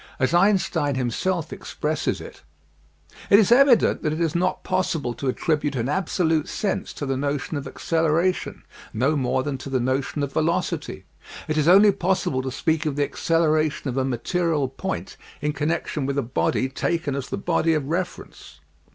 As Einstein himself expresses it : It is evident that it is not possible to attribute an absolute sense to the notion of acceleration, no more than to the notion of velocity. It is only possible to speak of the acceleration of a material point in connection with a body taken as the body of reference.